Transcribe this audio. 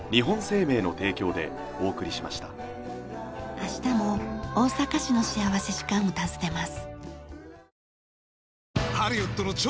明日も大阪市の幸福時間を訪ねます。